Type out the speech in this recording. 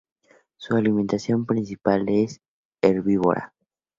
Su alimentación principal es herbívora.